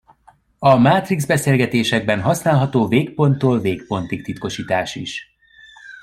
A Matrix beszélgetésekben használható végponttól-végpontig titkosítás is.